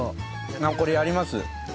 これやります。